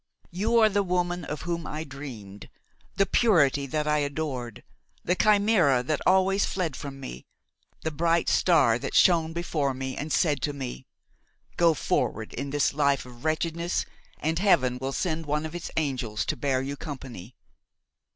You are the woman of whom I dreamed, the purity that I adored, the chimera that always fled from me, the bright star that shone before me and said to me: 'Go forward in this life of wretchedness and heaven will send one of its angels to bear you company.'